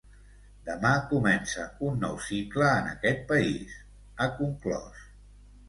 Demà comença un nou cicle en aquest país, ha conclòs.